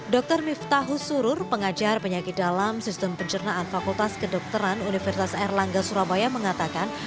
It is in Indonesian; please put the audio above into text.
dr miftahus surur pengajar penyakit dalam sistem pencernaan fakultas kedokteran universitas erlangga surabaya mengatakan